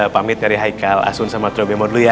pamit dari haikal asur sama trio bemu dulu ya